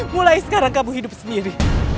mulai sekarang kamu hidup sendiri